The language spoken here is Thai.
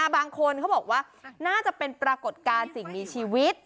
บางคนเขาบอกว่าน่าจะเป็นปรากฏการณ์สิ่งมีชีวิต